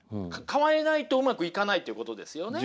変えないとうまくいかないということですよね。